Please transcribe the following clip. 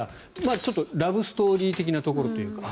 ちょっとラブストーリー的なところというか。